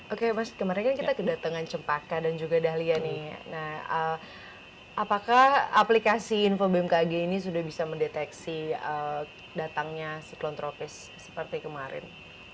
oke mas kemarin kan kita kedatangan cempaka dan juga dahlia nih apakah aplikasi info bmkg ini sudah bisa mendeteksi datangnya siklon tropis seperti kemarin